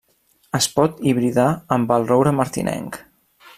Es pot hibridar amb el roure martinenc.